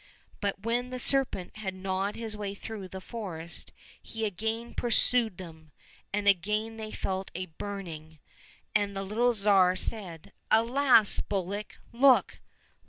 But when the serpent had gnawed his way through the forest, he again pursued them ; and again they felt a burning. And the little Tsar said, " Alas ! bullock, look